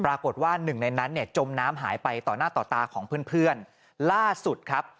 ปรากฏว่าหนึ่งในนั้นเนี่ยจมน้ำหายไปต่อหน้าต่อตาของเพื่อนเพื่อนล่าสุดครับ